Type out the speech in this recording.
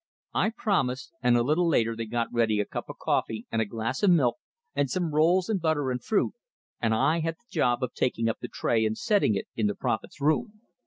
I promised; and a little later they got ready a cup of coffee and a glass of milk and some rolls and butter and fruit, and I had the job of taking up the tray and setting it in the prophet's room.